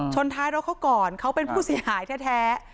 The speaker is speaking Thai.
ท้ายรถเขาก่อนเขาเป็นผู้เสียหายแท้